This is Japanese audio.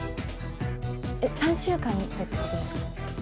えっ「３週間で」ってことですか？